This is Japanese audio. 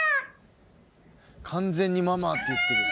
完全に「ママ」って言ってる。